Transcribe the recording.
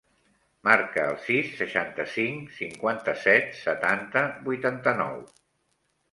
Marca el sis, seixanta-cinc, cinquanta-set, setanta, vuitanta-nou.